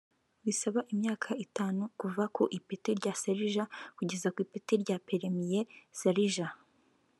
Bisaba imyaka itanu kuva ku ipeti rya Serija kugera ku ipeti rya Peremiye Serija